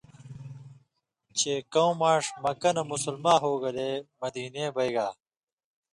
چےۡ کوں ماݜ مکّہ نہ مُسلما ہوگلے مدینے بئ گا